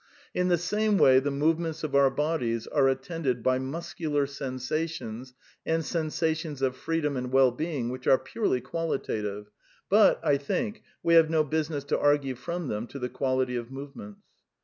In the same way the movements of our bodies are at tended by muscular sensations and sensations of freedom and well being which are purely qualitative, but, I think, we have no business to argue from them to the quality of movements.